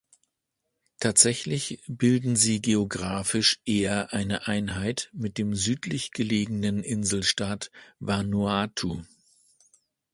Tatsächlich bilden sie geographisch eher eine Einheit mit dem südlich gelegenen Inselstaat Vanuatu.